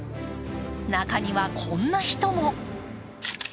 中には、こんな人も。